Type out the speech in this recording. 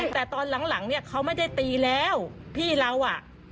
แต่ตอนหลังเนี่ยเขาไม่ได้ตีแล้วพี่เราอ่ะ